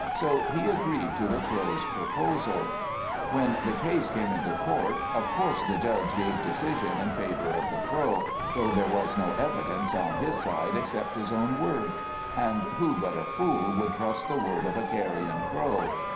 So he agreed to the Crow's proposal. When the case came into court, of course the Judge gave decision in favour of the Crow, though there was no evidence on his side except his own word: and who but a fool would trust the word of a Carrion Crow?